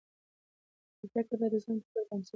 زده کړې باید د زغم او تفکر پر بنسټ وي.